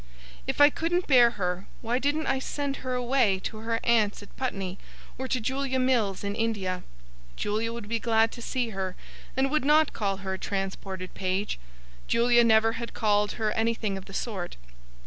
If I couldn't bear her, why didn't I send her away to her aunts at Putney, or to Julia Mills in India? Julia would be glad to see her, and would not call her a transported page; Julia never had called her anything of the sort.